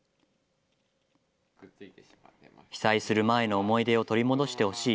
被災する前の思い出を取り戻してほしい。